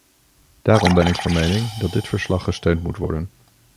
Daarom ben ik van mening dat dit verslag gesteund moet worden.